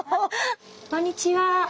こんにちは。